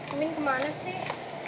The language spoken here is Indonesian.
imin kemana sih